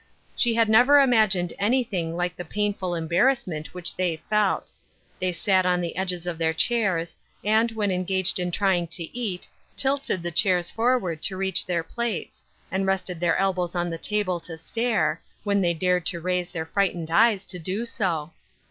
She had never imagined anything like the painful embar rassment which they felt. They sat on the edges of their chairs, and, when engaged in trying to eat, tilted the chairs forward to reach their plates, and rested their elbows on the table to stare, when they dared to raise their frightened eyes to do so.